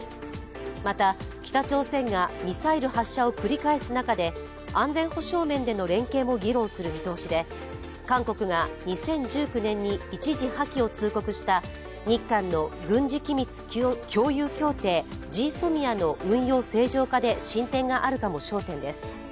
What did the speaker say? また、北朝鮮がミサイル発射を繰り返す中で安全保障面での議論する見通しで、韓国が２０１９年に一時破棄を通告した日韓の軍事機密共有協定＝ＧＳＯＭＩＡの運用正常化で進展があるかも焦点です。